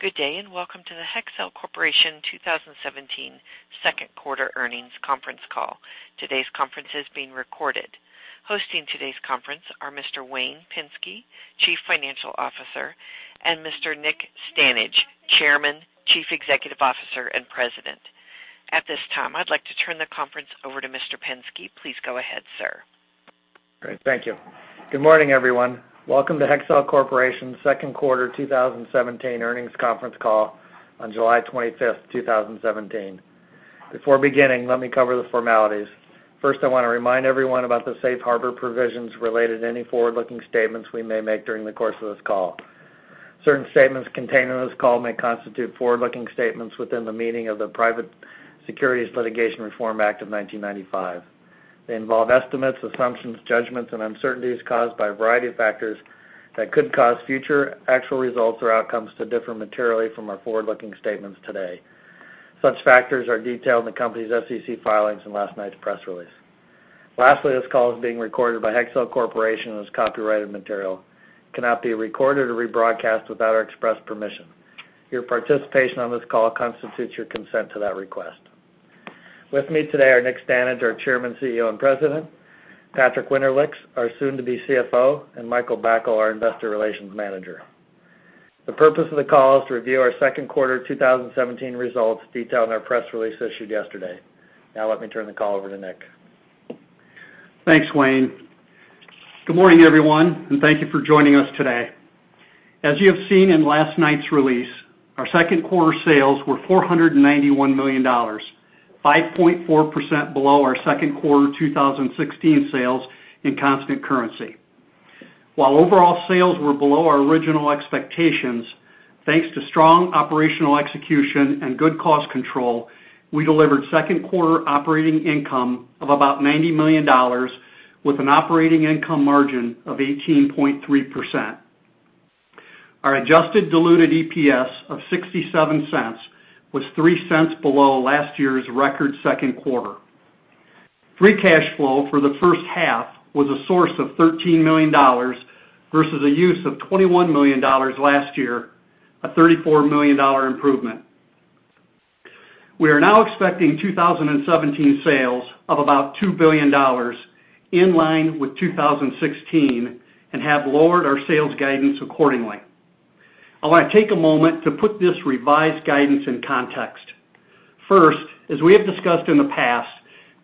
Good day, and welcome to the Hexcel Corporation 2017 second quarter earnings conference call. Today's conference is being recorded. Hosting today's conference are Mr. Wayne Pensky, Chief Financial Officer, and Mr. Nick Stanage, Chairman, Chief Executive Officer, and President. At this time, I'd like to turn the conference over to Mr. Pensky. Please go ahead, sir. Great. Thank you. Good morning, everyone. Welcome to Hexcel Corporation's second quarter 2017 earnings conference call on July 25th, 2017. Before beginning, let me cover the formalities. First, I want to remind everyone about the safe harbor provisions related to any forward-looking statements we may make during the course of this call. Certain statements contained in this call may constitute forward-looking statements within the meaning of the Private Securities Litigation Reform Act of 1995. They involve estimates, assumptions, judgments, and uncertainties caused by a variety of factors that could cause future actual results or outcomes to differ materially from our forward-looking statements today. Such factors are detailed in the company's SEC filings and last night's press release. Lastly, this call is being recorded by Hexcel Corporation and is copyrighted material. It cannot be recorded or rebroadcast without our express permission. Your participation in this call constitutes your consent to that request. With me today are Nick Stanage, our Chairman, Chief Executive Officer, and President, Patrick Winterlich, our soon-to-be CFO, and Michael Bacal, our Investor Relations Manager. The purpose of the call is to review our second quarter 2017 results detailed in our press release issued yesterday. Let me turn the call over to Nick. Thanks, Wayne. Good morning, everyone, and thank you for joining us today. As you have seen in last night's release, our second quarter sales were $491 million, 5.4% below our second quarter 2016 sales in constant currency. While overall sales were below our original expectations, thanks to strong operational execution and good cost control, we delivered second quarter operating income of about $90 million with an operating income margin of 18.3%. Our adjusted diluted EPS of $0.67 was $0.03 below last year's record second quarter. Free cash flow for the first half was a source of $13 million versus a use of $21 million last year, a $34 million improvement. We are expecting 2017 sales of about $2 billion, in line with 2016, and have lowered our sales guidance accordingly. I want to take a moment to put this revised guidance in context. First, as we have discussed in the past,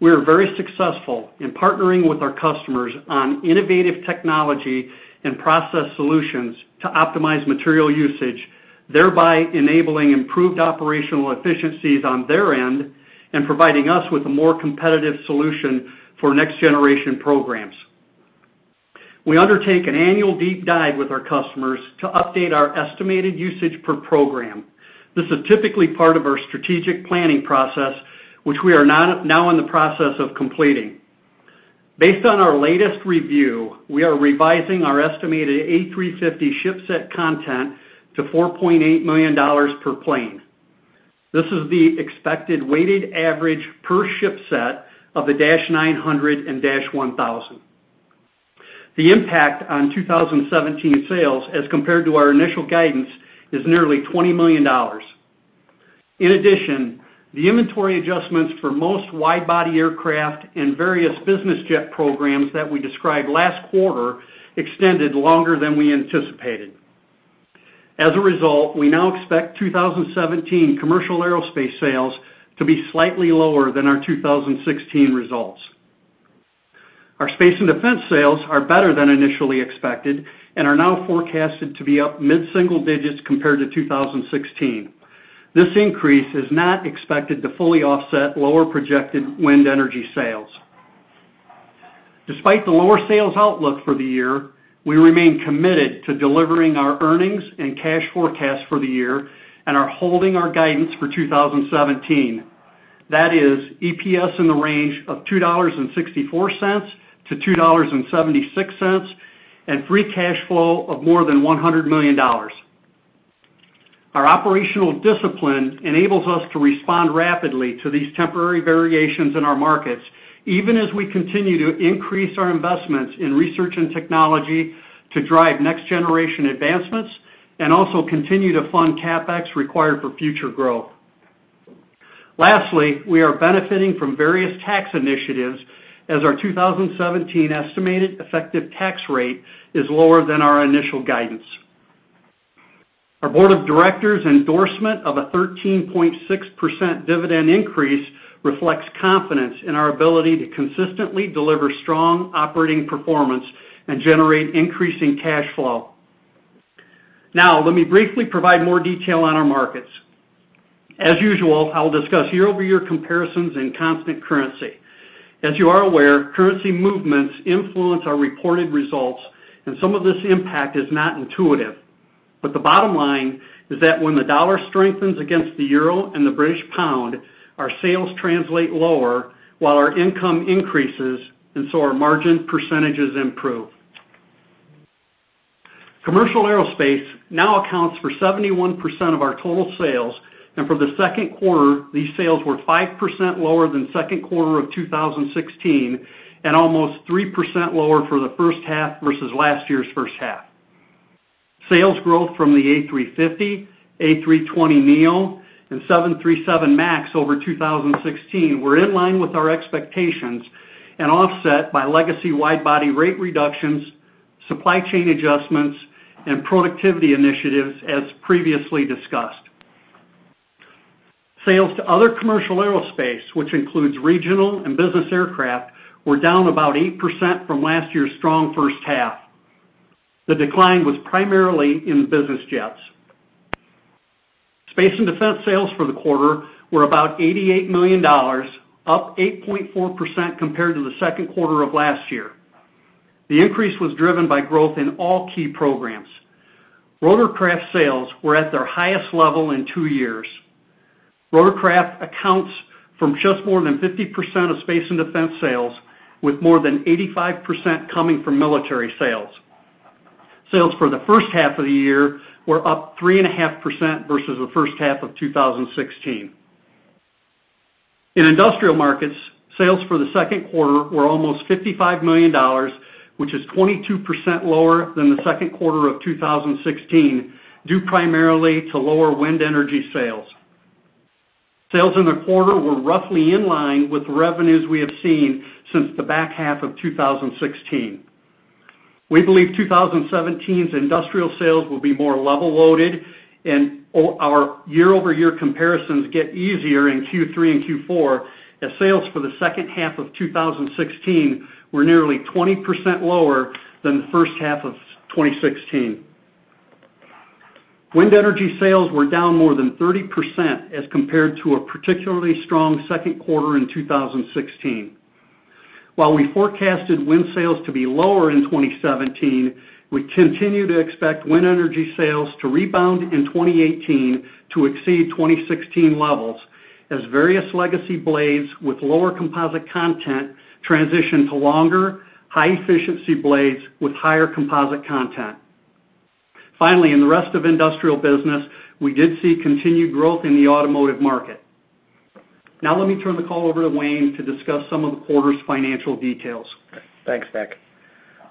we are very successful in partnering with our customers on innovative technology and process solutions to optimize material usage, thereby enabling improved operational efficiencies on their end and providing us with a more competitive solution for next-generation programs. We undertake an annual deep dive with our customers to update our estimated usage per program. This is typically part of our strategic planning process, which we are now in the process of completing. Based on our latest review, we are revising our estimated A350 ship set content to $4.8 million per plane. This is the expected weighted average per ship set of the Dash 900 and Dash 1000. The impact on 2017 sales as compared to our initial guidance is nearly $20 million. In addition, the inventory adjustments for most wide-body aircraft and various business jet programs that we described last quarter extended longer than we anticipated. As a result, we now expect 2017 commercial aerospace sales to be slightly lower than our 2016 results. Our space and defense sales are better than initially expected and are now forecasted to be up mid-single digits compared to 2016. This increase is not expected to fully offset lower projected wind energy sales. Despite the lower sales outlook for the year, we remain committed to delivering our earnings and cash forecast for the year and are holding our guidance for 2017. That is EPS in the range of $2.64-$2.76, and free cash flow of more than $100 million. Our operational discipline enables us to respond rapidly to these temporary variations in our markets, even as we continue to increase our investments in research and technology to drive next-generation advancements and also continue to fund CapEx required for future growth. Lastly, we are benefiting from various tax initiatives as our 2017 estimated effective tax rate is lower than our initial guidance. Our board of directors' endorsement of a 13.6% dividend increase reflects confidence in our ability to consistently deliver strong operating performance and generate increasing cash flow. Now, let me briefly provide more detail on our markets. As usual, I will discuss year-over-year comparisons in constant currency. As you are aware, currency movements influence our reported results, and some of this impact is not intuitive. The bottom line is that when the dollar strengthens against the euro and the British pound, our sales translate lower while our income increases, our margin percentages improve. Commercial aerospace now accounts for 71% of our total sales For the second quarter, these sales were 5% lower than second quarter of 2016, and almost 3% lower for the first half versus last year's first half. Sales growth from the A350, A320neo, and 737 MAX over 2016 were in line with our expectations and offset by legacy wide-body rate reductions, supply chain adjustments, and productivity initiatives as previously discussed. Sales to other commercial aerospace, which includes regional and business aircraft, were down about 8% from last year's strong first half. The decline was primarily in business jets. Space and Defense sales for the quarter were about $88 million, up 8.4% compared to the second quarter of last year. The increase was driven by growth in all key programs. Rotorcraft sales were at their highest level in two years. Rotorcraft accounts from just more than 50% of Space and Defense sales, with more than 85% coming from military sales. Sales for the first half of the year were up 3.5% versus the first half of 2016. In Industrial markets, sales for the second quarter were almost $55 million, which is 22% lower than the second quarter of 2016, due primarily to lower wind energy sales. Sales in the quarter were roughly in line with the revenues we have seen since the back half of 2016. We believe 2017's Industrial sales will be more level loaded and our year-over-year comparisons get easier in Q3 and Q4, as sales for the second half of 2016 were nearly 20% lower than the first half of 2016. Wind energy sales were down more than 30% as compared to a particularly strong second quarter in 2016. While we forecasted wind sales to be lower in 2017, we continue to expect wind energy sales to rebound in 2018 to exceed 2016 levels, as various legacy blades with lower composite content transition to longer, high-efficiency blades with higher composite content. Finally, in the rest of Industrial business, we did see continued growth in the automotive market. Let me turn the call over to Wayne to discuss some of the quarter's financial details. Thanks, Nick.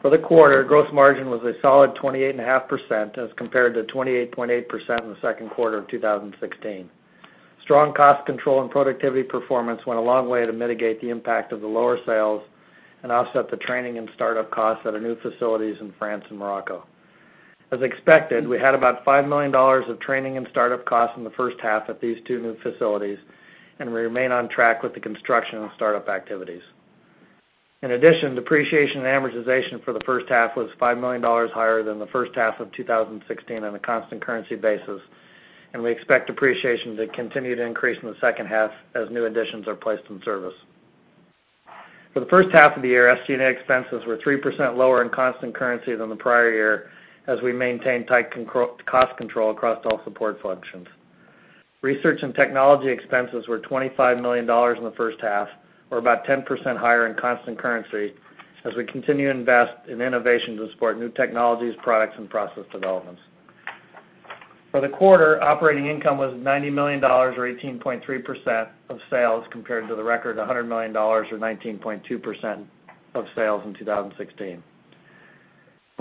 For the quarter, gross margin was a solid 28.5% as compared to 28.8% in the second quarter of 2016. Strong cost control and productivity performance went a long way to mitigate the impact of the lower sales and offset the training and startup costs at our new facilities in France and Morocco. As expected, we had about $5 million of training and startup costs in the first half at these two new facilities, and we remain on track with the construction and startup activities. Depreciation and amortization for the first half was $5 million higher than the first half of 2016 on a constant currency basis, and we expect depreciation to continue to increase in the second half as new additions are placed in service. For the first half of the year, SG&A expenses were 3% lower in constant currency than the prior year, as we maintained tight cost control across all support functions. Research and technology expenses were $25 million in the first half, or about 10% higher in constant currency, as we continue to invest in innovation to support new technologies, products, and process developments. For the quarter, operating income was $90 million, or 18.3% of sales, compared to the record $100 million, or 19.2% of sales in 2016.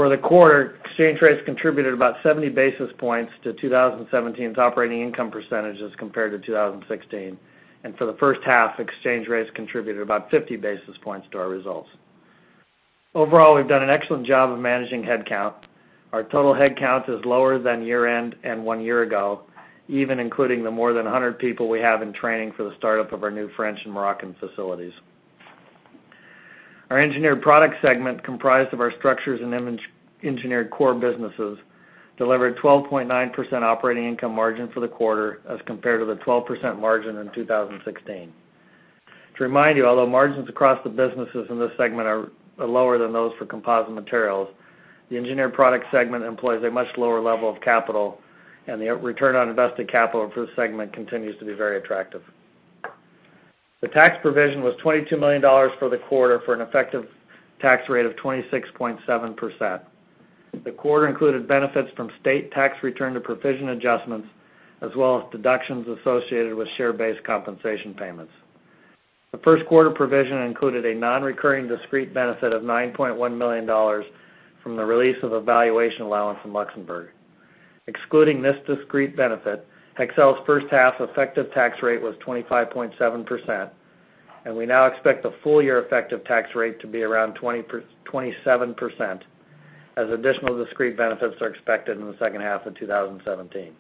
For the quarter, exchange rates contributed about 70 basis points to 2017's operating income percentages compared to 2016. For the first half, exchange rates contributed about 50 basis points to our results. Overall, we've done an excellent job of managing headcount. Our total headcount is lower than year-end and one year ago, even including the more than 100 people we have in training for the startup of our new French and Moroccan facilities. Our Engineered Products segment, comprised of our structures and engineered core businesses, delivered 12.9% operating income margin for the quarter as compared to the 12% margin in 2016. To remind you, although margins across the businesses in this segment are lower than those for Composite Materials, the Engineered Products segment employs a much lower level of capital, and the return on invested capital for this segment continues to be very attractive. The tax provision was $22 million for the quarter for an effective tax rate of 26.7%. The quarter included benefits from state tax return to provision adjustments, as well as deductions associated with share-based compensation payments. The first quarter provision included a non-recurring discrete benefit of $9.1 million from the release of a valuation allowance from Luxembourg. Excluding this discrete benefit, Hexcel's first half effective tax rate was 25.7%, and we now expect the full year effective tax rate to be around 27%, as additional discrete benefits are expected in the second half of 2017.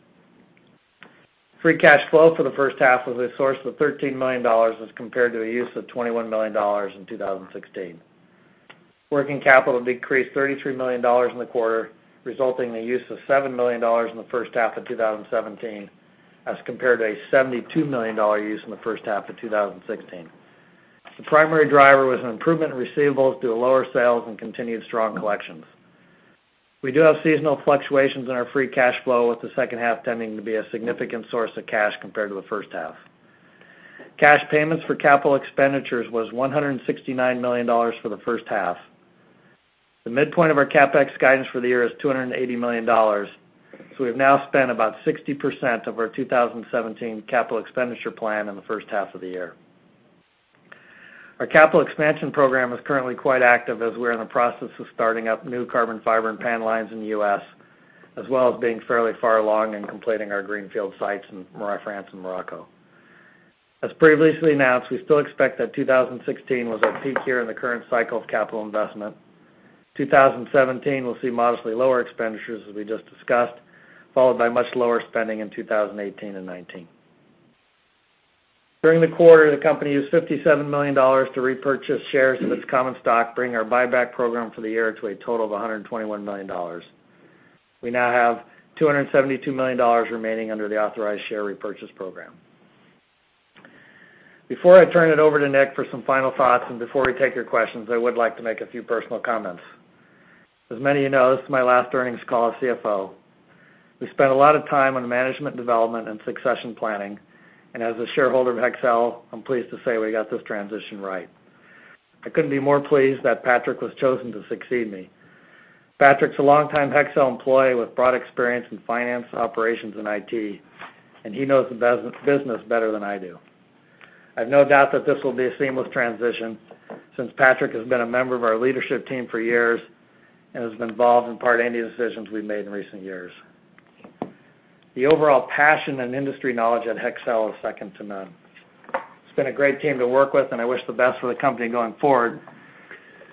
Free cash flow for the first half was a source of $13 million as compared to a use of $21 million in 2016. Working capital decreased $33 million in the quarter, resulting in a use of $7 million in the first half of 2017 as compared to a $72 million use in the first half of 2016. The primary driver was an improvement in receivables due to lower sales and continued strong collections. We do have seasonal fluctuations in our free cash flow, with the second half tending to be a significant source of cash compared to the first half. Cash payments for capital expenditures was $169 million for the first half. The midpoint of our CapEx guidance for the year is $280 million. We've now spent about 60% of our 2017 capital expenditure plan in the first half of the year. Our capital expansion program is currently quite active as we're in the process of starting up new carbon fiber and PAN lines in the U.S., as well as being fairly far along in completing our greenfield sites in France and Morocco. As previously announced, we still expect that 2016 was our peak year in the current cycle of capital investment. 2017 will see modestly lower expenditures, as we just discussed, followed by much lower spending in 2018 and 2019. During the quarter, the company used $57 million to repurchase shares of its common stock, bringing our buyback program for the year to a total of $121 million. We now have $272 million remaining under the authorized share repurchase program. Before I turn it over to Nick for some final thoughts, and before we take your questions, I would like to make a few personal comments. As many of you know, this is my last earnings call as CFO. We spent a lot of time on management development and succession planning, and as a shareholder of Hexcel, I'm pleased to say we got this transition right. I couldn't be more pleased that Patrick was chosen to succeed me. Patrick's a longtime Hexcel employee with broad experience in finance, operations, and IT, and he knows the business better than I do. I've no doubt that this will be a seamless transition, since Patrick has been a member of our leadership team for years and has been involved and part in any decisions we've made in recent years. The overall passion and industry knowledge at Hexcel is second to none. It's been a great team to work with, and I wish the best for the company going forward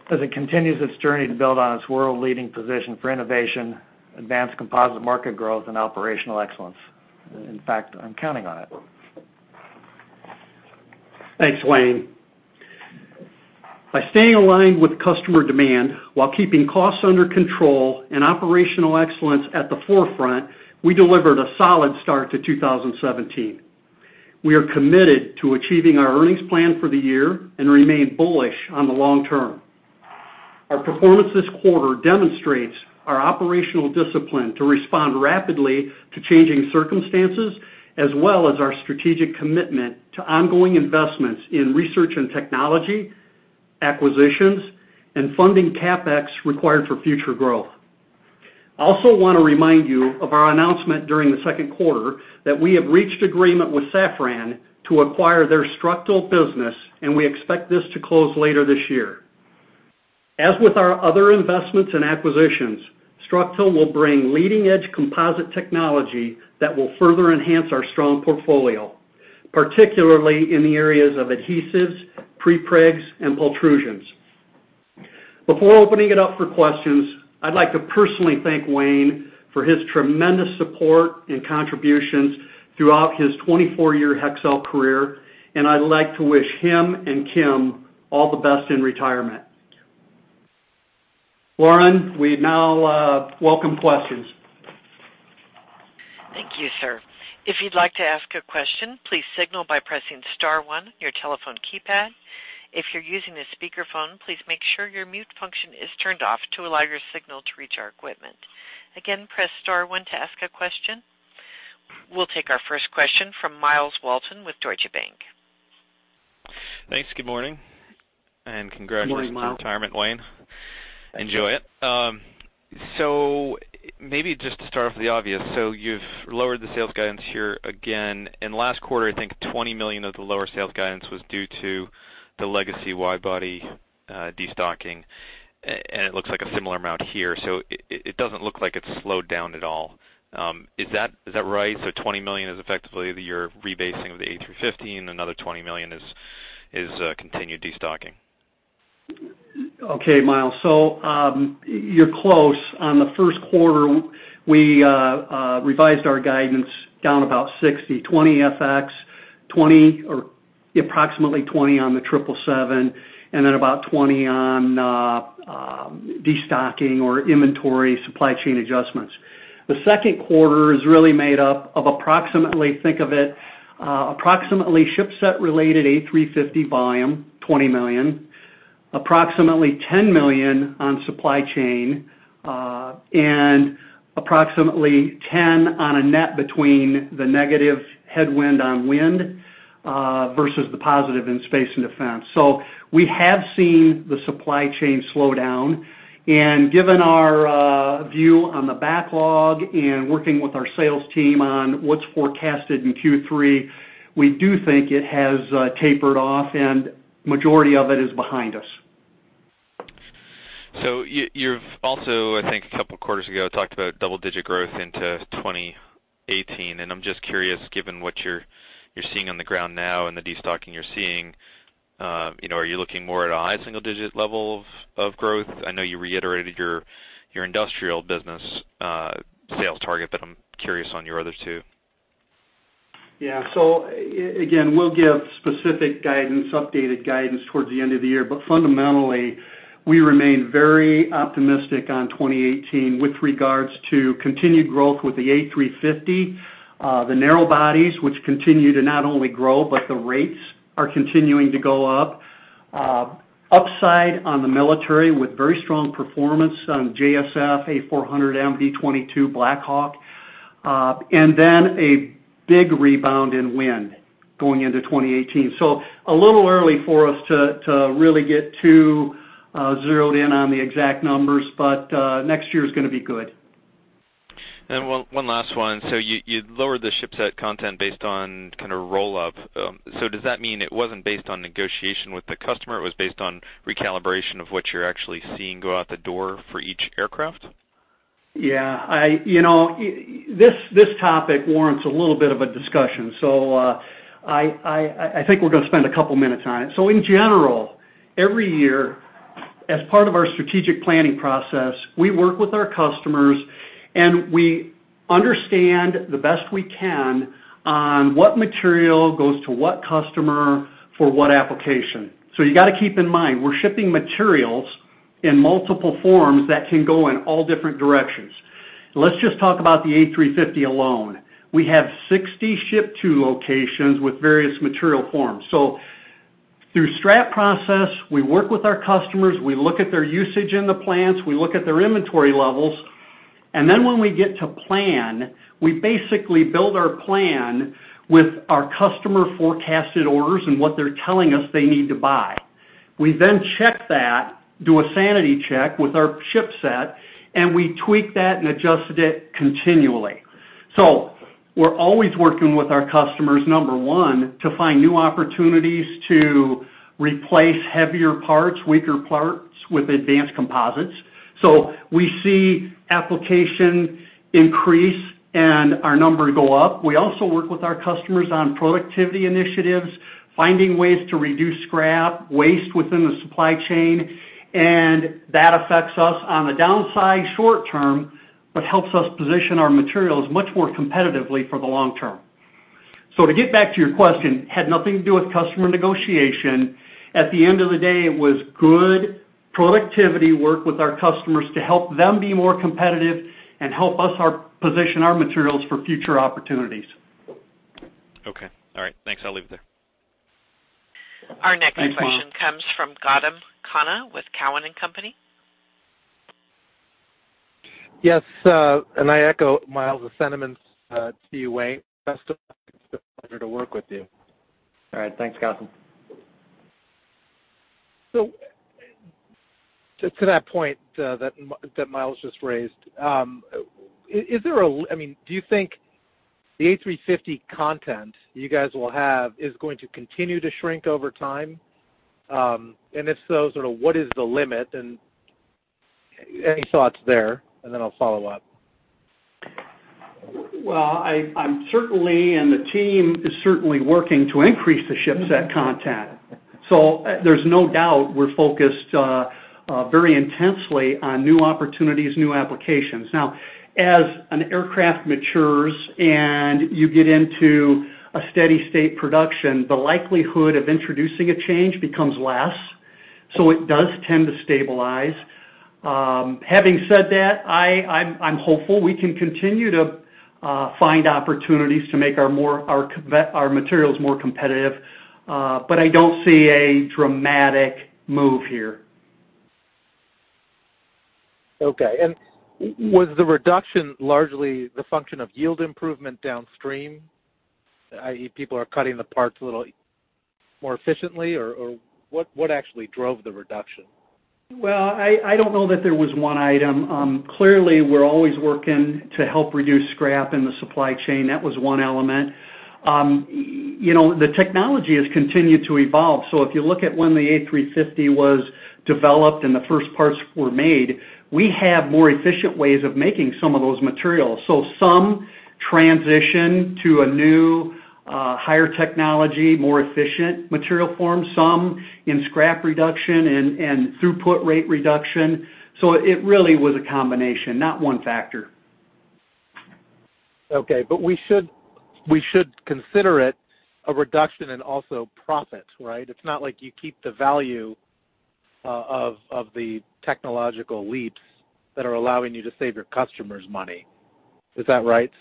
as it continues its journey to build on its world-leading position for innovation, advanced composite market growth, and operational excellence. In fact, I'm counting on it. Thanks, Wayne. By staying aligned with customer demand while keeping costs under control and operational excellence at the forefront, we delivered a solid start to 2017. We are committed to achieving our earnings plan for the year and remain bullish on the long term. Our performance this quarter demonstrates our operational discipline to respond rapidly to changing circumstances, as well as our strategic commitment to ongoing investments in research and technology, acquisitions, and funding CapEx required for future growth. I also want to remind you of our announcement during the second quarter that we have reached agreement with Safran to acquire their structural business, and we expect this to close later this year. As with our other investments and acquisitions, Structil will bring leading-edge composite technology that will further enhance our strong portfolio, particularly in the areas of adhesives, prepregs, and pultrusions. Before opening it up for questions, I'd like to personally thank Wayne for his tremendous support and contributions throughout his 24-year Hexcel career, and I'd like to wish him and Kim all the best in retirement. Lauren, we now welcome questions. Thank you, sir. If you'd like to ask a question, please signal by pressing star one on your telephone keypad. If you're using a speakerphone, please make sure your mute function is turned off to allow your signal to reach our equipment. Again, press star one to ask a question. We'll take our first question from Myles Walton with Deutsche Bank. Thanks. Good morning, and congratulations on retirement, Wayne. Good morning, Myles. Enjoy it. Maybe just to start off with the obvious, you've lowered the sales guidance here again. In last quarter, I think $20 million of the lower sales guidance was due to the legacy wide-body destocking, it looks like a similar amount here. It doesn't look like it's slowed down at all. Is that right? $20 million is effectively your rebasing of the A350, another $20 million is continued destocking. Okay, Myles. You're close. On the first quarter, we revised our guidance down about $60, $20 FX, approximately $20 on the 777, about $20 on destocking or inventory supply chain adjustments. The second quarter is really made up of, think of it, approximately ship set related A350 volume, $20 million, approximately $10 million on supply chain, approximately $10 million on a net between the negative headwind on wind versus the positive in space and defense. We have seen the supply chain slow down, given our view on the backlog and working with our sales team on what's forecasted in Q3, we do think it has tapered off and majority of it is behind us. You've also, I think a couple of quarters ago, talked about double-digit growth into 2018, and I'm just curious, given what you're seeing on the ground now and the destocking you're seeing, are you looking more at a high single-digit level of growth? I know you reiterated your industrial business sales target, but I'm curious on your other two. Again, we'll give specific guidance, updated guidance towards the end of the year. Fundamentally, we remain very optimistic on 2018 with regards to continued growth with the A350, the narrow bodies, which continue to not only grow, but the rates are continuing to go up. Upside on the military with very strong performance on JSF, A400M, V-22, Black Hawk. Then a big rebound in wind going into 2018. A little early for us to really get too zeroed in on the exact numbers, but next year's going to be good. One last one. You'd lowered the ship set content based on kind of roll-up. Does that mean it wasn't based on negotiation with the customer, it was based on recalibration of what you're actually seeing go out the door for each aircraft? This topic warrants a little bit of a discussion. I think we're going to spend a couple minutes on it. In general, every year, as part of our strategic planning process, we work with our customers, and we understand the best we can on what material goes to what customer for what application. You got to keep in mind, we're shipping materials in multiple forms that can go in all different directions. Let's just talk about the A350 alone. We have 60 ship-to locations with various material forms. Through strat process, we work with our customers, we look at their usage in the plants, we look at their inventory levels. Then when we get to plan, we basically build our plan with our customer forecasted orders and what they're telling us they need to buy. We check that, do a sanity check with our ship set, and we tweak that and adjusted it continually. We're always working with our customers, number one, to find new opportunities to replace heavier parts, weaker parts with advanced composites. We see application increase and our numbers go up. We also work with our customers on productivity initiatives, finding ways to reduce scrap, waste within the supply chain, and that affects us on the downside short-term, but helps us position our materials much more competitively for the long term. To get back to your question, had nothing to do with customer negotiation. At the end of the day, it was good productivity work with our customers to help them be more competitive and help us position our materials for future opportunities. Okay. All right. Thanks. I'll leave it there. Thanks, Myles. Our next question comes from Gautam Khanna with Cowen and Company. Yes, I echo Myles' sentiments to you, Wayne. Best of luck. It is a pleasure to work with you. All right. Thanks, Gautam. Just to that point that Myles just raised. Do you think the A350 content you guys will have is going to continue to shrink over time? If so, what is the limit? Any thoughts there, and then I will follow up. Well, I am certainly, the team is certainly working to increase the ship set content. There is no doubt we are focused very intensely on new opportunities, new applications. Now, as an aircraft matures and you get into a steady state production, the likelihood of introducing a change becomes less. It does tend to stabilize. Having said that, I am hopeful we can continue to find opportunities to make our materials more competitive. I do not see a dramatic move here. Okay. Was the reduction largely the function of yield improvement downstream, i.e., people are cutting the parts a little more efficiently? What actually drove the reduction? Well, I don't know that there was one item. Clearly, we're always working to help reduce scrap in the supply chain. That was one element. The technology has continued to evolve. If you look at when the A350 was developed and the first parts were made, we have more efficient ways of making some of those materials. Some transition to a new, higher technology, more efficient material form, some in scrap reduction and throughput rate reduction. It really was a combination, not one factor. Okay. We should consider it a reduction in also profit, right? It's not like you keep the value of the technological leaps that are allowing you to save your customers money. Is that right?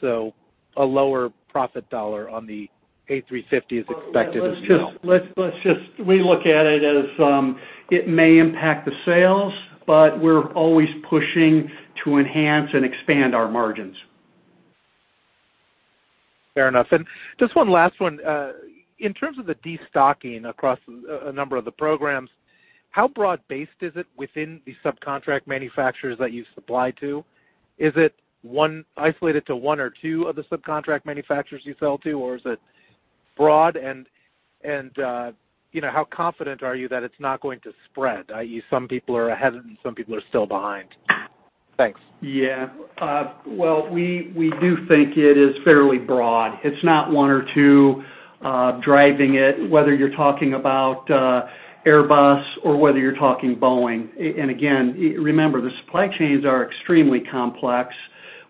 A lower profit dollar on the A350 is expected as well. We look at it as, it may impact the sales, but we're always pushing to enhance and expand our margins. Just one last one. In terms of the destocking across a number of the programs, how broad-based is it within the subcontract manufacturers that you supply to? Is it isolated to one or two of the subcontract manufacturers you sell to, or is it broad? How confident are you that it's not going to spread, i.e., some people are ahead and some people are still behind? Thanks. Well, we do think it is fairly broad. It's not one or two driving it, whether you're talking about Airbus or whether you're talking Boeing. Again, remember, the supply chains are extremely complex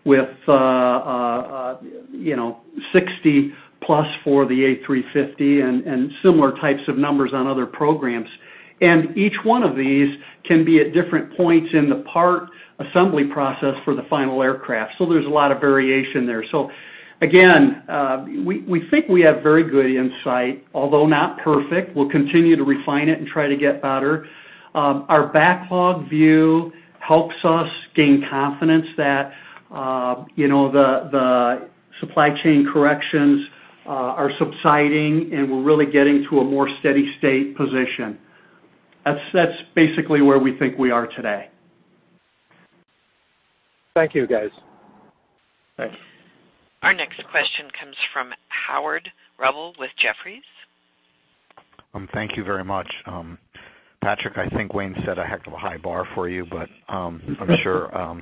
with 60-plus for the A350 and similar types of numbers on other programs. Each one of these can be at different points in the part assembly process for the final aircraft. There's a lot of variation there. Again, we think we have very good insight, although not perfect. We'll continue to refine it and try to get better. Our backlog view helps us gain confidence that the supply chain corrections are subsiding, and we're really getting to a more steady state position. That's basically where we think we are today. Thank you, guys. Thanks. Our next question comes from Howard Rubel with Jefferies. Thank you very much. Patrick, I think Wayne set a heck of a high bar for you, but I'm sure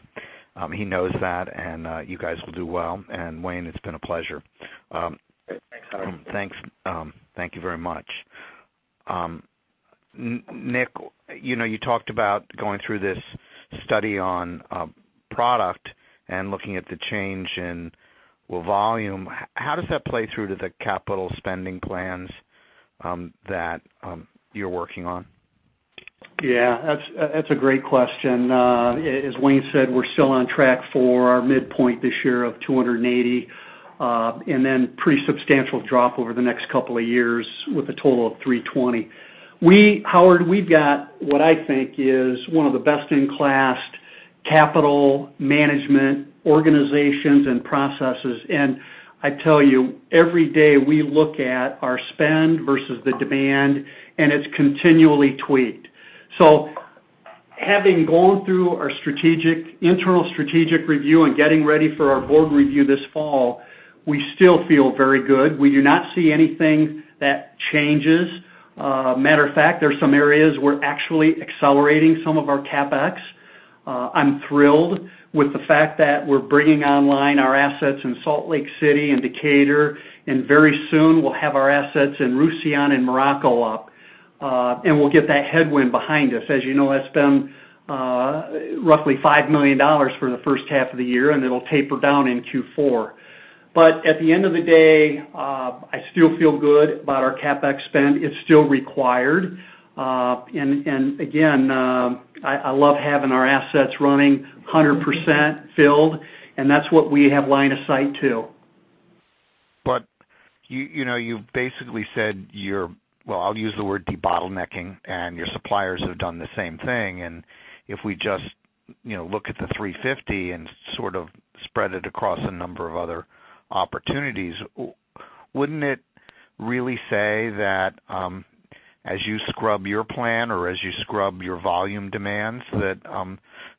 he knows that, and you guys will do well. Wayne, it's been a pleasure. Thanks, Howard. Thank you very much. Nick, you talked about going through this study on product and looking at the change in volume. How does that play through to the capital spending plans that you're working on? Yeah, that's a great question. As Wayne said, we're still on track for our midpoint this year of $280 million, then pretty substantial drop over the next couple of years with a total of $320 million. Howard, we've got what I think is one of the best-in-class capital management organizations and processes, and I tell you, every day, we look at our spend versus the demand, and it's continually tweaked. Having gone through our internal strategic review and getting ready for our board review this fall, we still feel very good. We do not see anything that changes. Matter of fact, there's some areas we're actually accelerating some of our CapEx. I'm thrilled with the fact that we're bringing online our assets in Salt Lake City and Decatur, and very soon, we'll have our assets in Roussillon and Morocco up. We'll get that headwind behind us. As you know, that's been roughly $5 million for the first half of the year, and it'll taper down in Q4. At the end of the day, I still feel good about our CapEx spend. It's still required. Again, I love having our assets running 100% filled, and that's what we have line of sight to. You've basically said you're, well, I'll use the word debottlenecking, and your suppliers have done the same thing. If we just look at the 350 and sort of spread it across a number of other opportunities, wouldn't it really say that as you scrub your plan or as you scrub your volume demands, that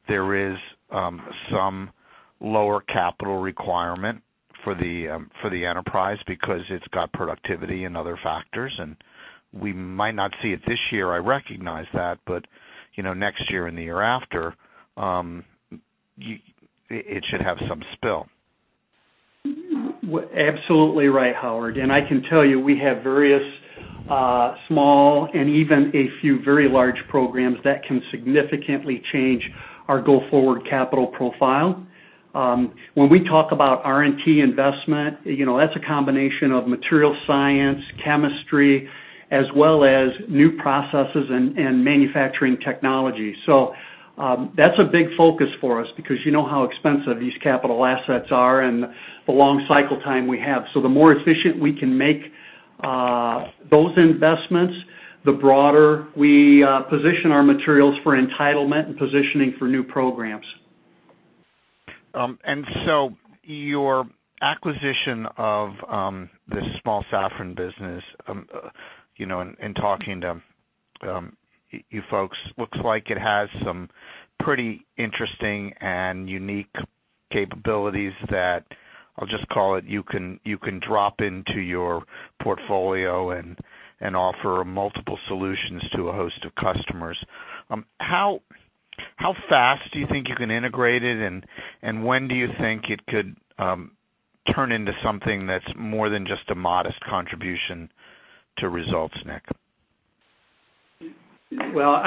there is some lower capital requirement for the enterprise because it's got productivity and other factors? We might not see it this year, I recognize that, but next year and the year after, it should have some spill. I can tell you, we have various small and even a few very large programs that can significantly change our go-forward capital profile. When we talk about R&T investment, that's a combination of material science, chemistry, as well as new processes and manufacturing technology. That's a big focus for us because you know how expensive these capital assets are and the long cycle time we have. The more efficient we can make those investments, the broader we position our materials for entitlement and positioning for new programs. Your acquisition of this small Safran business, in talking to you folks, looks like it has some pretty interesting and unique capabilities that I'll just call it you can drop into your portfolio and offer multiple solutions to a host of customers. How fast do you think you can integrate it, and when do you think it could turn into something that's more than just a modest contribution to results, Nick? Well,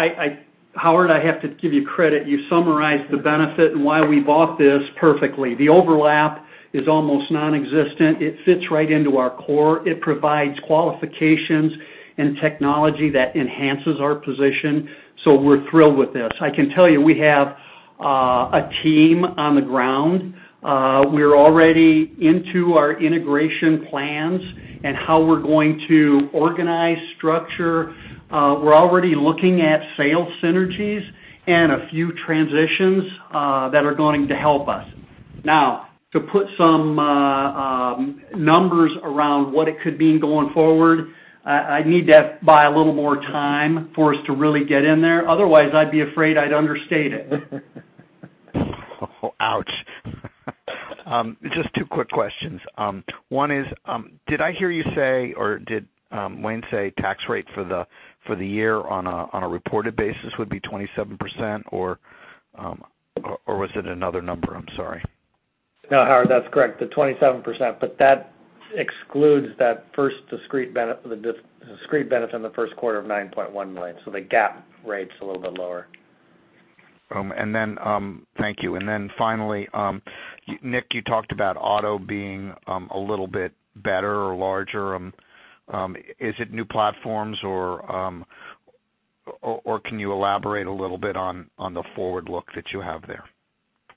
Howard, I have to give you credit. You summarized the benefit and why we bought this perfectly. The overlap is almost nonexistent. It fits right into our core. It provides qualifications and technology that enhances our position. We're thrilled with this. I can tell you we have a team on the ground. We're already into our integration plans and how we're going to organize structure. We're already looking at sales synergies and a few transitions that are going to help us. Now, to put some numbers around what it could mean going forward, I need to buy a little more time for us to really get in there. Otherwise, I'd be afraid I'd understate it. Ouch. Just two quick questions. One is, did I hear you say or did Wayne say tax rate for the year on a reported basis would be 27% or was it another number? I'm sorry. No, Howard, that's correct, the 27%, but that excludes that discrete benefit in the first quarter of $9.1 million. The GAAP rate's a little bit lower. Thank you. Finally, Nick, you talked about auto being a little bit better or larger. Is it new platforms or can you elaborate a little bit on the forward look that you have there?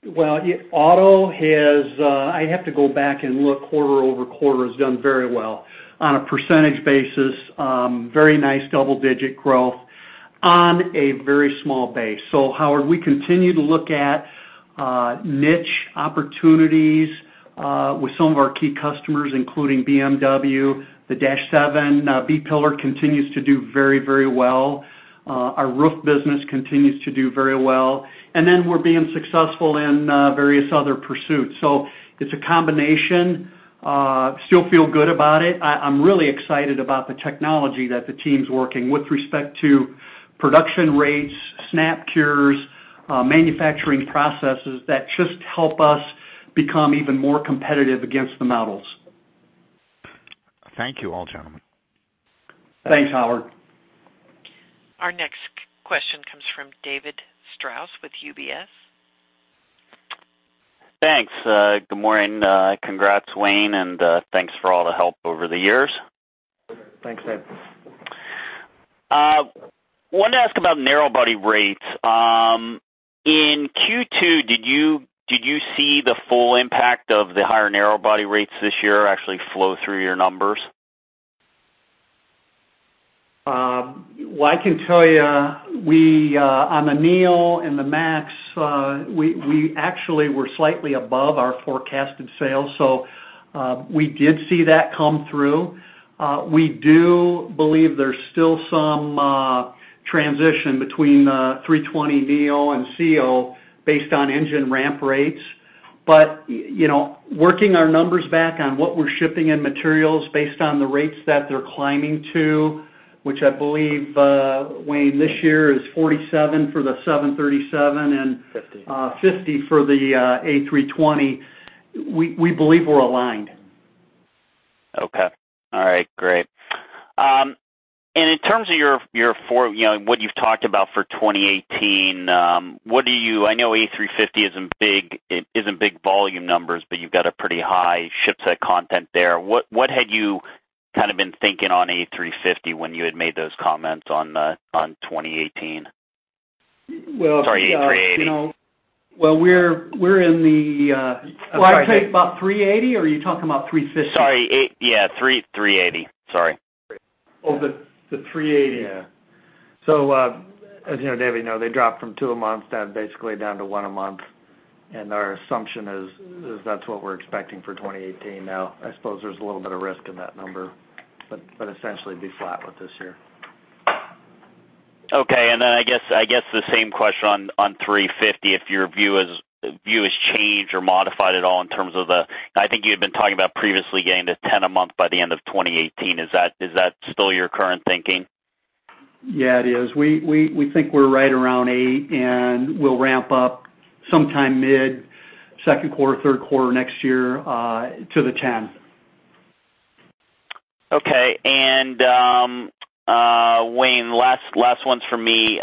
Well, auto has, I have to go back and look, quarter-over-quarter, has done very well. On a percentage basis, very nice double-digit growth on a very small base. Howard, we continue to look at niche opportunities with some of our key customers, including BMW. The dash 7 B-pillar continues to do very well. Our roof business continues to do very well. We're being successful in various other pursuits. It's a combination. Still feel good about it. I'm really excited about the technology that the team's working with respect to production rates, snap cures, manufacturing processes that just help us become even more competitive against the metals. Thank you, all gentlemen. Thanks, Howard. Our next question comes from David Strauss with UBS. Thanks. Good morning. Congrats, Wayne, and thanks for all the help over the years. Thanks, Dave. Wanted to ask about narrow body rates. In Q2, did you see the full impact of the higher narrow body rates this year actually flow through your numbers? Well, I can tell you, on the NEO and the MAX, we actually were slightly above our forecasted sales. We did see that come through. We do believe there's still some transition between A320neo and A320ceo based on engine ramp rates. Working our numbers back on what we're shipping in materials based on the rates that they're climbing to, which I believe, Wayne, this year is 47 for the 737 and 50 50 for the A320. We believe we're aligned. Okay. All right, great. In terms of what you've talked about for 2018, I know A350 isn't big volume numbers, but you've got a pretty high ship set content there. What had you been thinking on A350 when you had made those comments on 2018? Sorry, A380. Well, we're in the, I'd say about 380, or are you talking about 350? Sorry. Yeah, 380. Sorry. The 380. Yeah. As you know, David, they dropped from two a month down, basically down to one a month. Our assumption is that's what we're expecting for 2018 now. I suppose there's a little bit of risk in that number. Essentially be flat with this year. Okay. Then, I guess the same question on 350, if your view has changed or modified at all in terms of the I think you had been talking about previously getting to 10 a month by the end of 2018. Is that still your current thinking? Yeah, it is. We think we're right around eight, we'll ramp up sometime mid-second quarter, third quarter next year, to the 10th. Okay. Wayne, last one from me.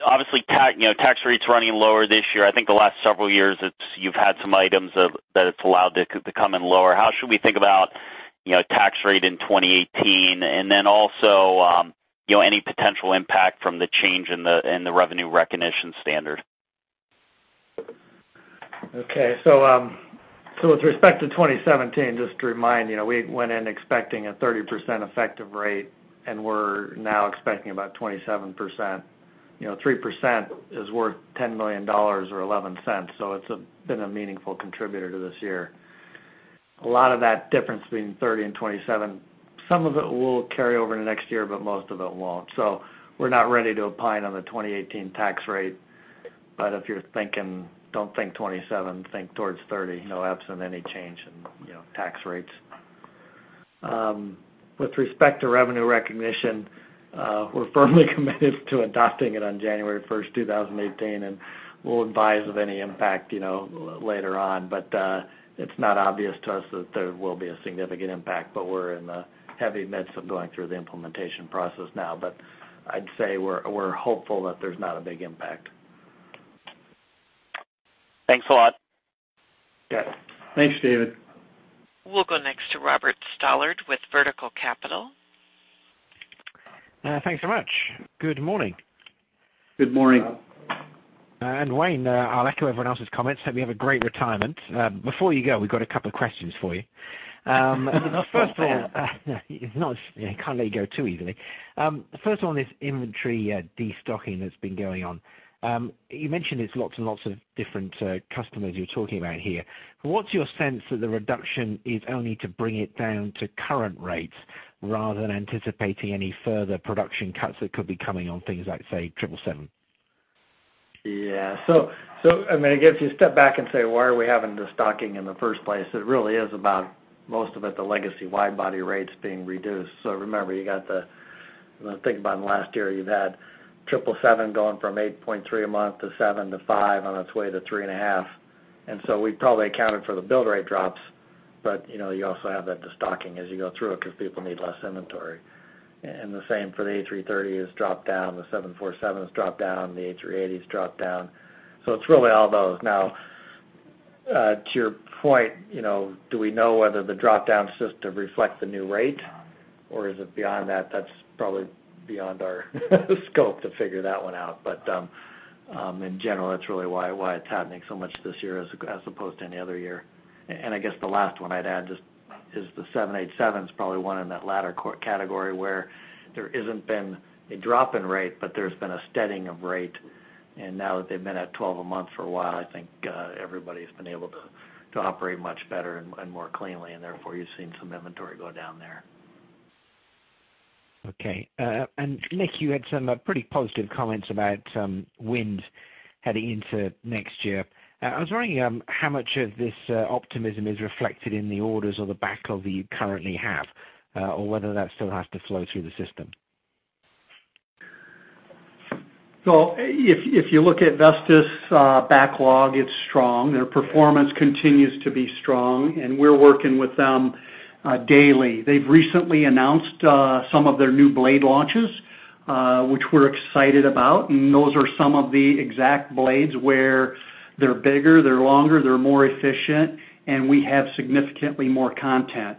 Obviously, tax rate's running lower this year. I think the last several years, you've had some items that it's allowed to come in lower. How should we think about tax rate in 2018, also, any potential impact from the change in the revenue recognition standard? Okay. With respect to 2017, just to remind you, we went in expecting a 30% effective rate, we're now expecting about 27%. 3% is worth $10 million or $0.11, it's been a meaningful contributor to this year. A lot of that difference between 30 and 27, some of it will carry over into next year, most of it won't. We're not ready to opine on the 2018 tax rate. If you're thinking, don't think 27, think towards 30, absent any change in tax rates. With respect to revenue recognition, we're firmly committed to adopting it on January 1st, 2018, we'll advise of any impact later on. It's not obvious to us that there will be a significant impact, we're in the heavy midst of going through the implementation process now. I'd say we're hopeful that there's not a big impact. Thanks a lot. Yeah. Thanks, David. We'll go next to Robert Stallard with Vertical Research Partners. Thanks so much. Good morning. Good morning. Wayne, I'll echo everyone else's comments. Hope you have a great retirement. Before you go, we've got a couple questions for you. First of all. Can't let you go too easily. First of all, this inventory de-stocking that's been going on. You mentioned it's lots and lots of different customers you're talking about here. What's your sense that the reduction is only to bring it down to current rates rather than anticipating any further production cuts that could be coming on things like, say, 777? Yeah. If you step back and say, "Why are we having destocking in the first place?" It really is about, most of it, the legacy wide body rates being reduced. Remember, think about in the last year, you've had 777 going from 8.3 a month to seven to five on its way to three and a half. We probably accounted for the build rate drops, but you also have that de-stocking as you go through it because people need less inventory. The same for the A330's drop down, the 747's drop down, the A380's drop down. It's really all those. Now, to your point, do we know whether the drop-down system reflects the new rate or is it beyond that? That's probably beyond our scope to figure that one out. In general, that's really why it's happening so much this year as opposed to any other year. I guess the last one I'd add just is the 787 is probably one in that latter category where there hasn't been a drop in rate, but there's been a steadying of rate. Now that they've been at 12 a month for a while, I think everybody's been able to operate much better and more cleanly, and therefore, you're seeing some inventory go down there. Okay. Nick, you had some pretty positive comments about wind heading into next year. I was wondering how much of this optimism is reflected in the orders or the backlog that you currently have, or whether that still has to flow through the system. If you look at Vestas' backlog, it's strong. Their performance continues to be strong, and we're working with them daily. They've recently announced some of their new blade launches, which we're excited about, and those are some of the exact blades where they're bigger, they're longer, they're more efficient, and we have significantly more content.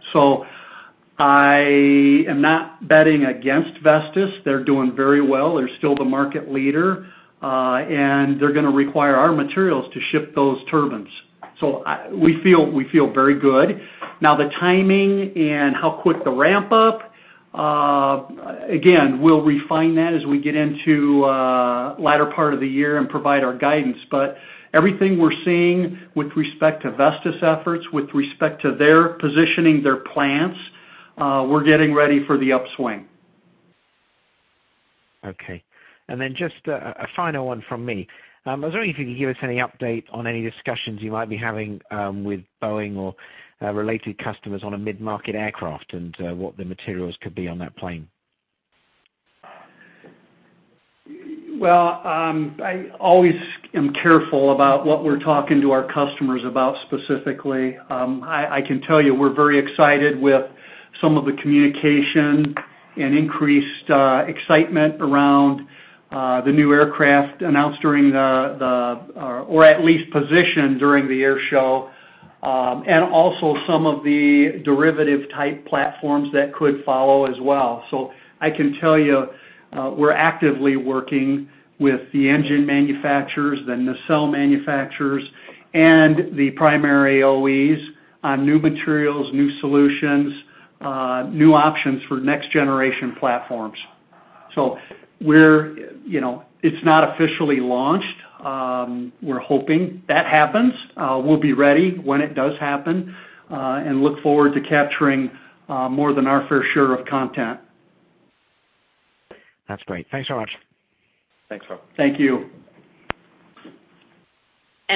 I am not betting against Vestas. They're doing very well. They're still the market leader. They're going to require our materials to ship those turbines. We feel very good. The timing and how quick the ramp-up, again, we'll refine that as we get into the latter part of the year and provide our guidance. Everything we're seeing with respect to Vestas' efforts, with respect to their positioning, their plans, we're getting ready for the upswing. Okay. Just a final one from me. I was wondering if you could give us any update on any discussions you might be having with Boeing or related customers on a mid-market aircraft and what the materials could be on that plane. I always am careful about what we're talking to our customers about specifically. I can tell you we're very excited with some of the communication and increased excitement around the new aircraft announced or at least positioned during the air show. Also some of the derivative type platforms that could follow as well. I can tell you, we're actively working with the engine manufacturers, the nacelle manufacturers, and the primary OEs on new materials, new solutions, new options for next generation platforms. It's not officially launched. We're hoping that happens. We'll be ready when it does happen and look forward to capturing more than our fair share of content. That's great. Thanks so much. Thanks, Rob. Thank you.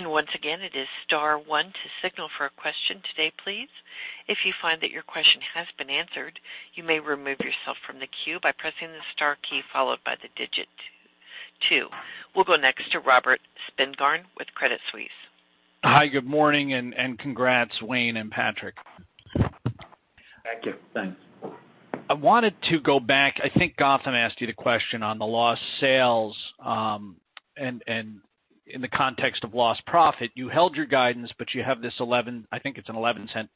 Once again, it is star one to signal for a question today, please. If you find that your question has been answered, you may remove yourself from the queue by pressing the star key followed by the digit 2. We'll go next to Robert Spingarn with Credit Suisse. Hi, good morning, congrats, Wayne and Patrick. Thank you. Thanks. I wanted to go back. I think Gautam asked you the question on the lost sales, in the context of lost profit. You held your guidance, you have this 11, I think it's an $0.11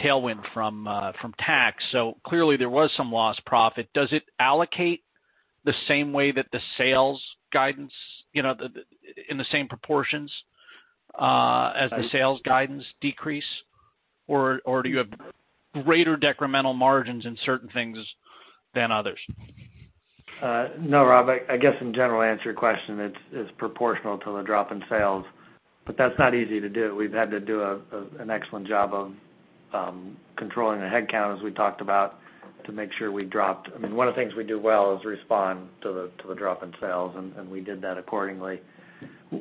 tailwind from tax. Clearly, there was some lost profit. Does it allocate the same way that the sales guidance, in the same proportions as the sales guidance decrease? Do you have greater decremental margins in certain things than others? No, Rob, I guess in general, to answer your question, it's proportional to the drop in sales. That's not easy to do. We've had to do an excellent job of controlling the headcount, as we talked about, to make sure we dropped. One of the things we do well is respond to the drop in sales, and we did that accordingly.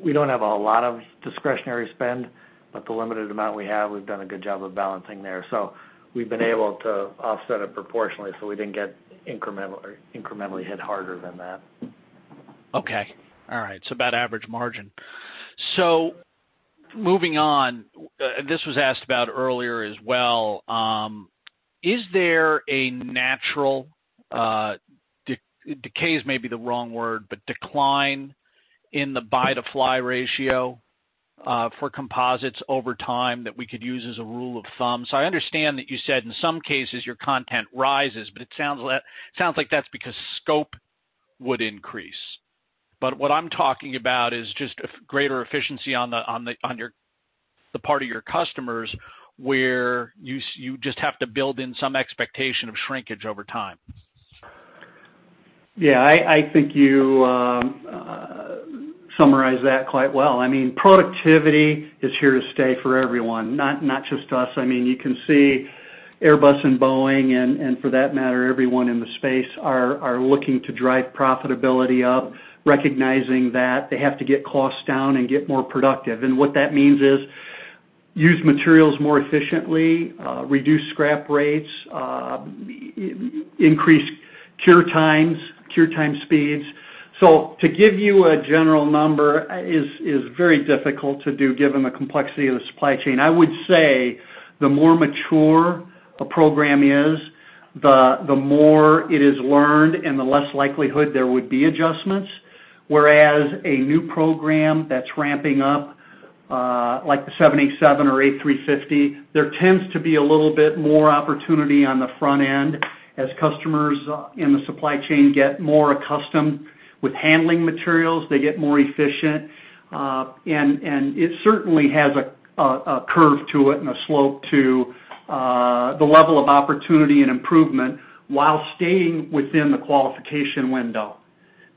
We don't have a lot of discretionary spend, but the limited amount we have, we've done a good job of balancing there. We've been able to offset it proportionally, so we didn't get incrementally hit harder than that. Okay. All right. About average margin. Moving on, this was asked about earlier as well. Is there a natural, decay is maybe the wrong word, but decline in the buy-to-fly ratio for composites over time that we could use as a rule of thumb? I understand that you said in some cases your content rises, but it sounds like that's because scope would increase. What I'm talking about is just a greater efficiency on the part of your customers, where you just have to build in some expectation of shrinkage over time. Yeah, I think you summarized that quite well. Productivity is here to stay for everyone, not just us. You can see Airbus and Boeing, and for that matter, everyone in the space are looking to drive profitability up, recognizing that they have to get costs down and get more productive. What that means is use materials more efficiently, reduce scrap rates, increase cure time speeds. To give you a general number is very difficult to do given the complexity of the supply chain. I would say the more mature a program is, the more it is learned, and the less likelihood there would be adjustments. Whereas a new program that's ramping up, like the 787 or A350, there tends to be a little bit more opportunity on the front end as customers in the supply chain get more accustomed with handling materials, they get more efficient. It certainly has a curve to it and a slope to the level of opportunity and improvement while staying within the qualification window,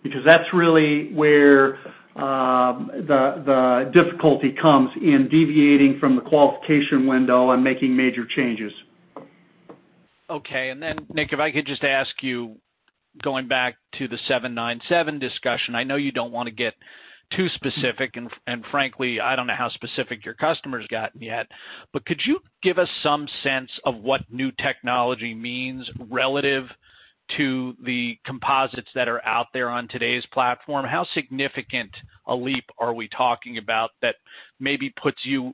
because that's really where the difficulty comes in deviating from the qualification window and making major changes. Nick, if I could just ask you, going back to the 797 discussion, I know you don't want to get too specific, and frankly, I don't know how specific your customer's gotten yet. Could you give us some sense of what new technology means relative to the composites that are out there on today's platform? How significant a leap are we talking about that maybe puts you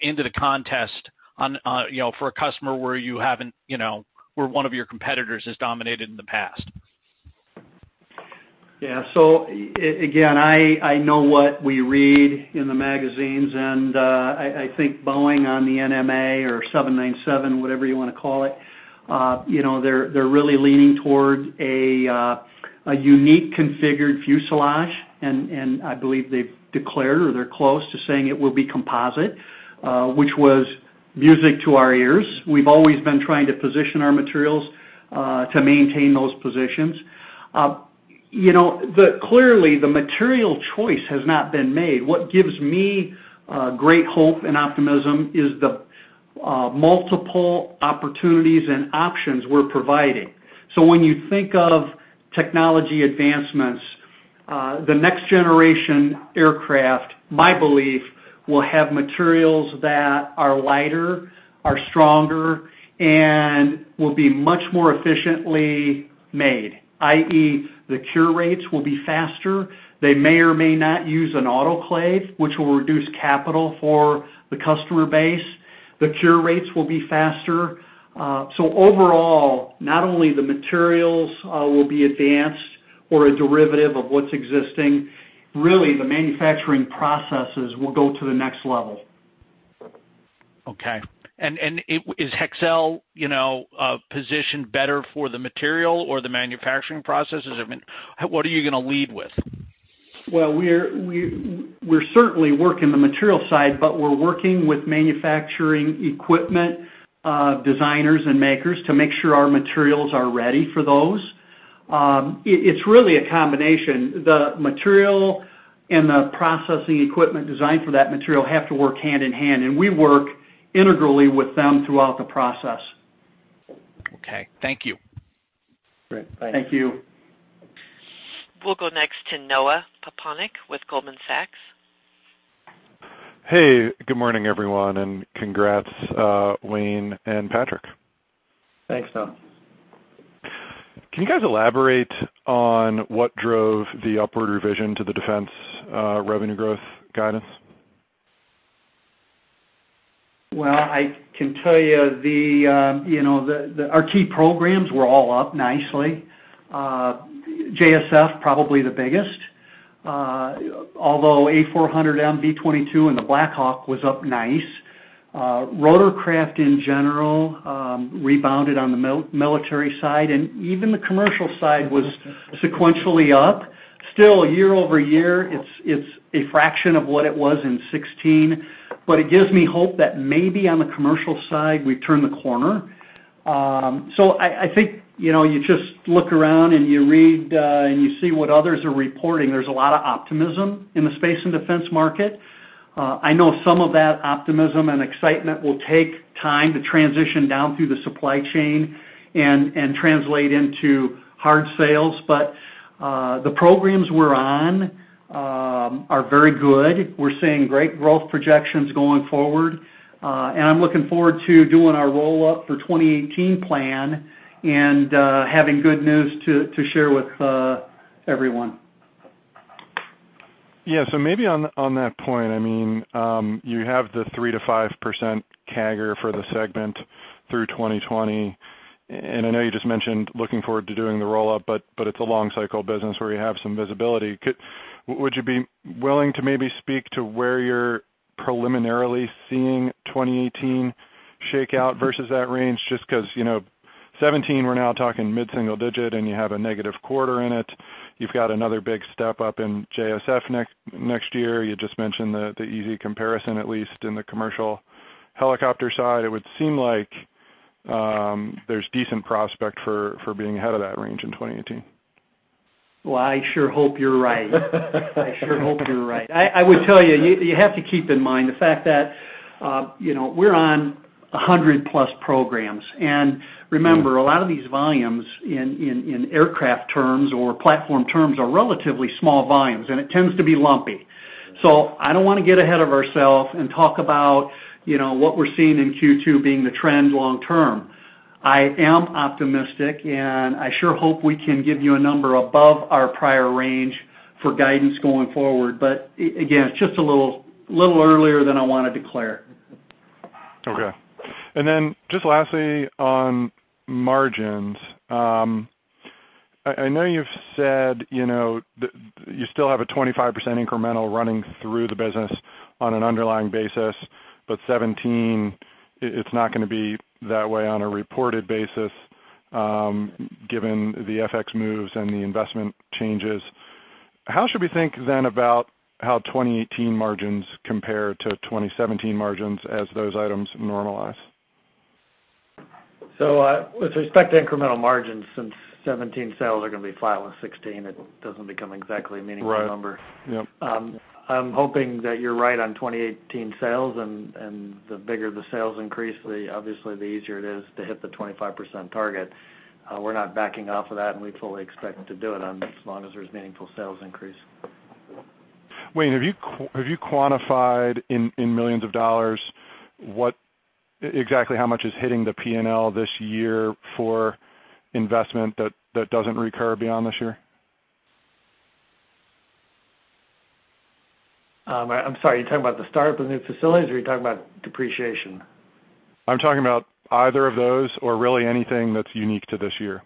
into the contest for a customer where one of your competitors has dominated in the past? Again, I know what we read in the magazines, and I think Boeing on the NMA or 797, whatever you want to call it, they're really leaning towards a unique configured fuselage, and I believe they've declared, or they're close to saying it will be composite, which was music to our ears. We've always been trying to position our materials to maintain those positions. Clearly, the material choice has not been made. What gives me great hope and optimism is the multiple opportunities and options we're providing. When you think of technology advancements, the next generation aircraft, my belief, will have materials that are lighter, are stronger, and will be much more efficiently made, i.e., the cure rates will be faster. They may or may not use an autoclave, which will reduce capital for the customer base. The cure rates will be faster. Overall, not only the materials will be advanced or a derivative of what's existing. Really, the manufacturing processes will go to the next level. Is Hexcel positioned better for the material or the manufacturing processes? What are you going to lead with? Well, we're certainly working the material side, but we're working with manufacturing equipment designers and makers to make sure our materials are ready for those. It's really a combination. The material and the processing equipment designed for that material have to work hand in hand, and we work integrally with them throughout the process. Okay. Thank you. Great. Thank you. We'll go next to Noah Poponak with Goldman Sachs. Hey, good morning, everyone, and congrats, Wayne and Patrick. Thanks, Noah. Can you guys elaborate on what drove the upward revision to the defense revenue growth guidance? Well, I can tell you our key programs were all up nicely. JSF, probably the biggest. Although A400, MV-22 and the Black Hawk was up nice. Rotorcraft, in general, rebounded on the military side, and even the commercial side was sequentially up. Still, year-over-year, it's a fraction of what it was in 2016. It gives me hope that maybe on the commercial side, we've turned the corner. I think, you just look around and you read and you see what others are reporting. There's a lot of optimism in the space and defense market. I know some of that optimism and excitement will take time to transition down through the supply chain and translate into hard sales. The programs we're on are very good. We're seeing great growth projections going forward. I'm looking forward to doing our roll-up for 2018 plan and having good news to share with everyone. Yeah. Maybe on that point, you have the 3%-5% CAGR for the segment through 2020. I know you just mentioned looking forward to doing the roll-up, but it's a long cycle business where you have some visibility. Would you be willing to maybe speak to where you're preliminarily seeing 2018 shake out versus that range? Just because 2017, we're now talking mid-single digit, and you have a negative quarter in it. You've got another big step up in JSF next year. You just mentioned the easy comparison, at least in the commercial helicopter side. It would seem like there's decent prospect for being ahead of that range in 2018. Well, I sure hope you're right. I sure hope you're right. I would tell you have to keep in mind the fact that we're on 100-plus programs. Remember, a lot of these volumes in aircraft terms or platform terms are relatively small volumes, and it tends to be lumpy. I don't want to get ahead of ourselves and talk about what we're seeing in Q2 being the trend long term. I am optimistic, and I sure hope we can give you a number above our prior range. For guidance going forward. Again, it's just a little earlier than I want to declare. Lastly, on margins. I know you've said you still have a 25% incremental running through the business on an underlying basis, but 2017, it's not going to be that way on a reported basis given the FX moves and the investment changes. How should we think then about how 2018 margins compare to 2017 margins as those items normalize? With respect to incremental margins, since 2017 sales are going to be flat with 2016, it doesn't become exactly a meaningful number. Right. Yep. I'm hoping that you're right on 2018 sales. The bigger the sales increase, obviously, the easier it is to hit the 25% target. We're not backing off of that. We fully expect to do it as long as there's meaningful sales increase. Wayne, have you quantified in millions of dollars, exactly how much is hitting the P&L this year for investment that doesn't recur beyond this year? I'm sorry, are you talking about the start of the new facilities or are you talking about depreciation? I'm talking about either of those or really anything that's unique to this year.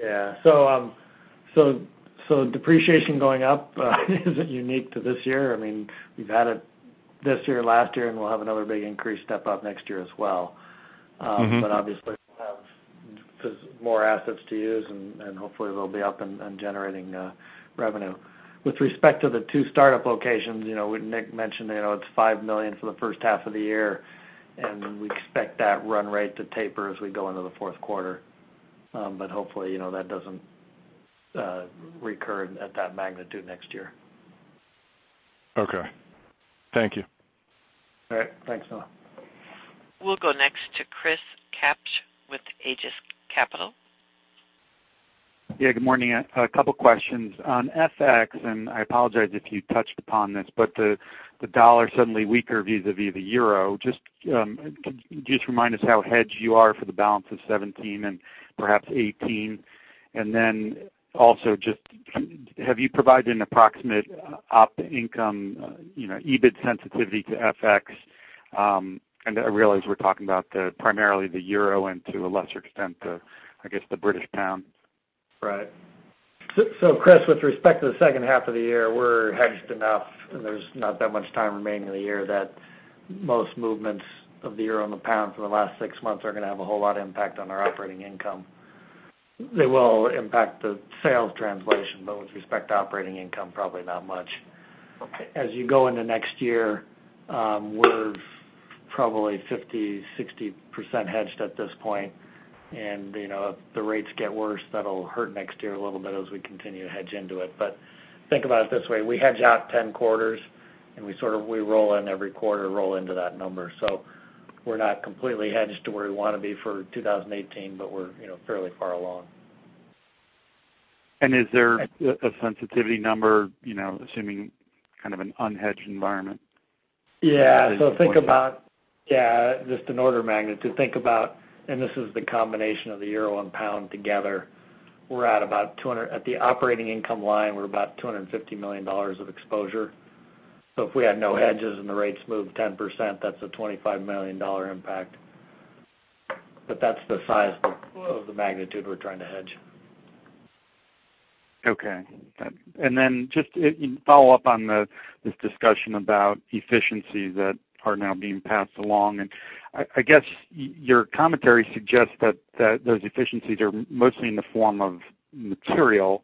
Yeah. Depreciation going up isn't unique to this year. We've had it this year, last year, and we'll have another big increase step-up next year as well. Obviously, we have more assets to use, and hopefully they'll be up and generating revenue. With respect to the two startup locations, Nick mentioned it's $5 million for the first half of the year, and we expect that run rate to taper as we go into the fourth quarter. Hopefully, that doesn't recur at that magnitude next year. Okay. Thank you. All right. Thanks, Noah. We'll go next to Christopher Kapsch with Aegis Capital. Yeah, good morning. A couple questions. On FX, I apologize if you touched upon this, The dollar is suddenly weaker vis-a-vis the euro. Just remind us how hedged you are for the balance of 2017 and perhaps 2018. Also, have you provided an approximate op income, EBIT sensitivity to FX? I realize we're talking about primarily the euro and to a lesser extent, I guess, the British pound. Right. Chris, with respect to the second half of the year, we're hedged enough, there's not that much time remaining in the year that most movements of the euro and the pound for the last six months are going to have a whole lot of impact on our operating income. They will impact the sales translation, With respect to operating income, probably not much. Okay. As you go into next year, we're probably 50%-60% hedged at this point. If the rates get worse, that'll hurt next year a little bit as we continue to hedge into it. Think about it this way. We hedge out 10 quarters, we roll in every quarter, roll into that number. We're not completely hedged to where we want to be for 2018, we're fairly far along. Is there a sensitivity number, assuming kind of an unhedged environment at this point? Just an order of magnitude. Think about, this is the combination of the EUR and GBP together. At the operating income line, we're about $250 million of exposure. If we had no hedges and the rates moved 10%, that's a $25 million impact. That's the size of the magnitude we're trying to hedge. Okay. Just to follow up on this discussion about efficiencies that are now being passed along, I guess your commentary suggests that those efficiencies are mostly in the form of material,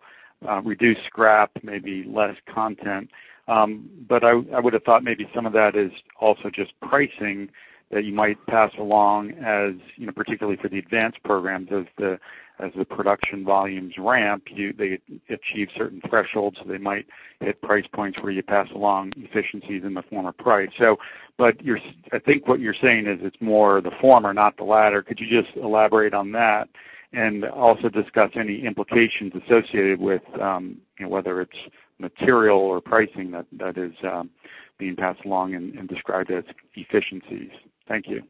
reduced scrap, maybe less content. I would've thought maybe some of that is also just pricing that you might pass along as particularly for the advanced programs, as the production volumes ramp, they achieve certain thresholds, they might hit price points where you pass along efficiencies in the form of price. I think what you're saying is it's more the former, not the latter. Could you just elaborate on that and also discuss any implications associated with whether it's material or pricing that is being passed along and described as efficiencies? Thank you.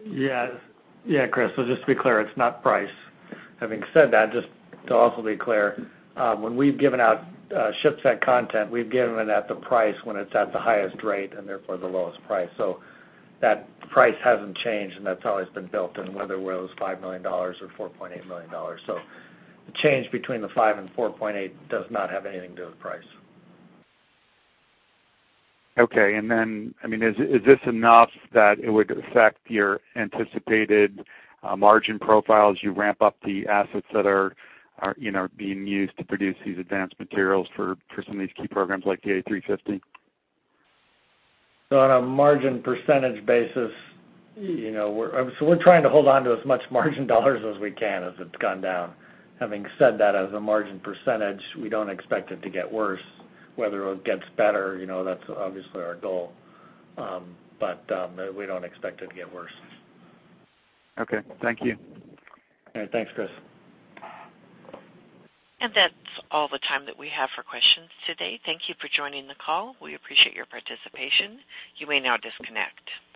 Chris, just to be clear, it's not price. Having said that, just to also be clear, when we've given out ship set content, we've given it at the price when it's at the highest rate, and therefore the lowest price. That price hasn't changed, and that's always been built in, whether it was $5 million or $4.8 million. The change between the $5 and $4.8 does not have anything to do with price. Okay. Is this enough that it would affect your anticipated margin profile as you ramp up the assets that are being used to produce these advanced materials for some of these key programs like the A350? On a margin percentage basis, we're trying to hold on to as much margin dollars as we can as it's gone down. Having said that, as a margin percentage, we don't expect it to get worse. Whether it gets better, that's obviously our goal. We don't expect it to get worse. Okay. Thank you. All right. Thanks, Chris. That's all the time that we have for questions today. Thank you for joining the call. We appreciate your participation. You may now disconnect.